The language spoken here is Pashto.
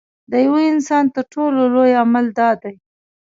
د یوه انسان تر ټولو لوی عمل دا دی.